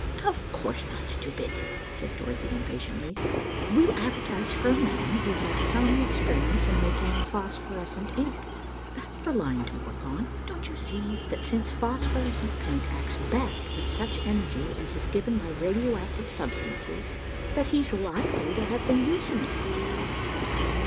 '" "Of course not, stupid," said Dorothy impatiently. "We'll advertise for a man who has had some experience in making phosphorescent ink. That's the line to work on. Don't you see that since phosphorescent paint acts best with such energy as is given by radio active substances, that he's likely to have been using it.